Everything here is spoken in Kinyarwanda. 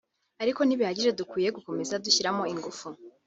ariko ntibihagije dukwiye gukomeza gushyiramo ingufu